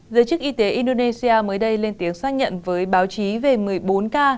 giới chức y tế indonesia mới đây lên tiếng xác nhận với báo chí về một mươi bốn ca